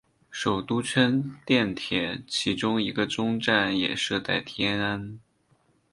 首都圈电铁其中一个终站也设在天安。